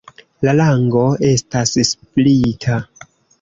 La lango estas splita.